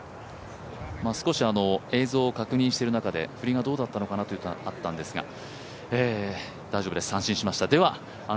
少し映像を確認している中で振りがどうだったのかなというのがあったんですが、大丈夫です、安心しました。